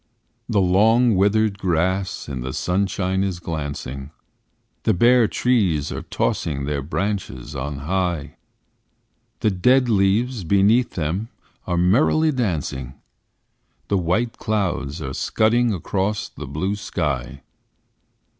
The long withered grass in the sunshine is glancing, The bare trees are tossing their branches on high; The dead leaves beneath them are merrily dancing, The white clouds are scudding across the blue sky.